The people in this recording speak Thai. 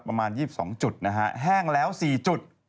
ประมาณ๒๒จุดนะฮะแห้งแล้ว๔จุด